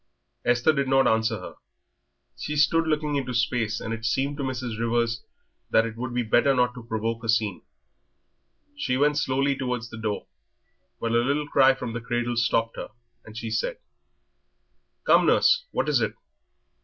Esther did not answer her. She stood looking into space, and it seemed to Mrs. Rivers that it would be better not to provoke a scene. She went towards the door slowly, but a little cry from the cradle stopped her, and she said "Come, nurse, what is it?